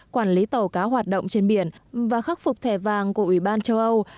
quản lý tàu cá hoạt động trên biển và khắc phục thẻ vàng của ủy ban châu âu